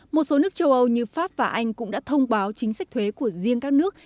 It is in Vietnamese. một số nước châu âu như pháp và anh cũng đã thông báo chính sách thuế của riêng các nước